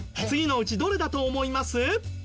次のうちどれだと思います？